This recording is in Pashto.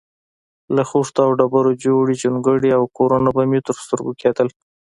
له خښتو او ډبرو جوړې جونګړې او کورونه به مې تر سترګو کېدل.